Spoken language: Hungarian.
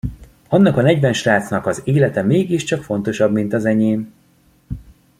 Annak a negyven srácnak az élete mégiscsak fontosabb, mint az enyém.